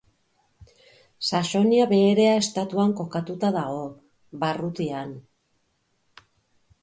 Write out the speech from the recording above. Saxonia Beherea estatuan kokatuta dago, barrutian.